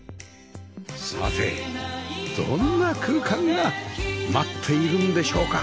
さてどんな空間が待っているんでしょうか？